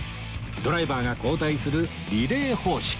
ドライバーが交代するリレー方式